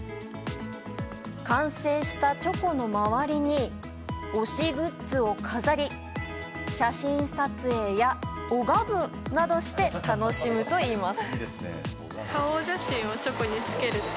完成したチョコの周りに推しグッズを飾り写真撮影や拝むなどして楽しむといいます。